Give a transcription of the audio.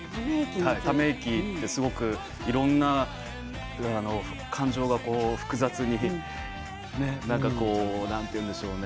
ため息っていろいろな感情が複雑に何て言うんでしょうね。